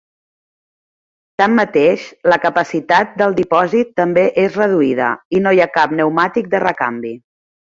Tanmateix, la capacitat del dipòsit també és reduïda i no hi ha cap pneumàtic de recanvi.